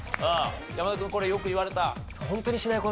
山田君これよく言われた？